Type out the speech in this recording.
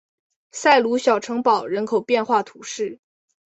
塞鲁小城堡人口变化图示